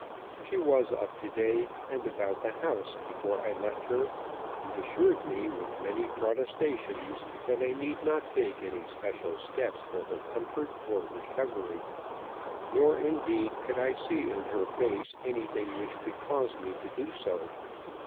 She was up to day, and about the house before I left her, and assured me with many protestations that I need not take any special steps for her comfort or recovery. Nor indeed could I see in her face anything which could cause me to do so.